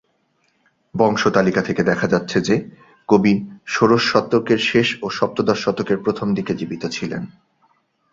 বংশ তালিকা থেকে দেখা যাচ্ছে যে, কবি ষোড়শ শতকের শেষ ও সপ্তদশ শতকের প্রথম দিকে জীবিত ছিলেন।